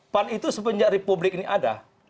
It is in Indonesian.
pan itu sepenjak republik ini ada